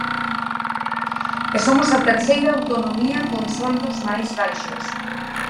E somos a terceira autonomía con soldos máis baixos.